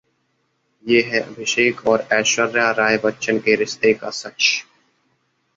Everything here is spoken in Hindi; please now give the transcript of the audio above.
ये है अभिषेक और ऐश्वर्या राय बच्चन के रिश्ते का सच...